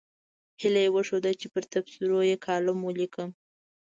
هیله یې وښوده چې پر تبصرو یې کالم ولیکم.